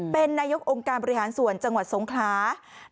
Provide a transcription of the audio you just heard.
เป็นนายกองค์การบริหารส่วนจังหวัดสงครา